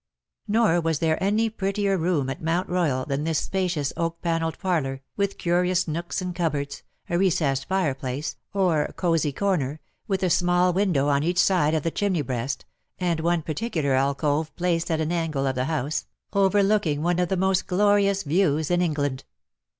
Nor was there any prettier room at Mount Royal than this spacious oak panelled parlour, with curious nooks and cupboards, a recessed fireplace, or '^ cosy corner,^' with a small window on each side of the chimney breast, and one particular alcove placed at an angle of the house, overlooking one of the most glorious views in England.